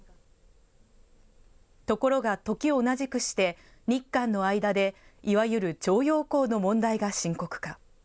ところが、時同じくして、日韓の間でいわゆる徴用工の問題が深刻化。